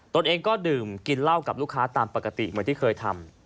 ตัวเองก็ดื่มกินเหล้ากับลูกค้าตามปกติเหมือนที่เคยทำ